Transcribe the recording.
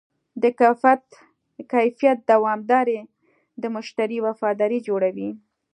د کیفیت دوامداري د مشتری وفاداري جوړوي.